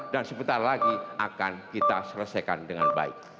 dan sebentar lagi akan kita selesaikan dengan baik